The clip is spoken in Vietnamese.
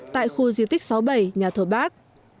tại khu di tích sáu mươi bảy nhà thờ bác